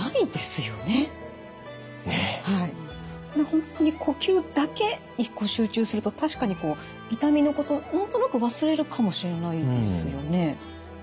本当に呼吸だけ一個集中すると確かにこう痛みのこと何となく忘れるかもしれないですよね。